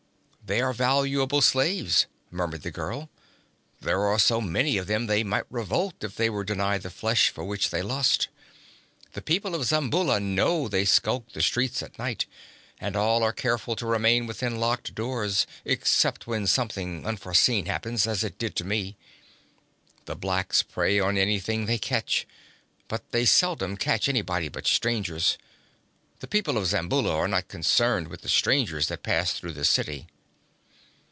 'They are valuable slaves,' murmured the girl. 'There are so many of them they might revolt if they were denied the flesh for which they lust. The people of Zamboula know they skulk the streets at night, and all are careful to remain within locked doors, except when something unforeseen happens, as it did to me. The blacks prey on anything they catch, but they seldom catch anybody but strangers. The people of Zamboula are not concerned with the strangers that pass through the city.